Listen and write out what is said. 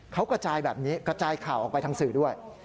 เขากระจายแบบนี้กระจายข่าวออกไปทางสื่อด้วย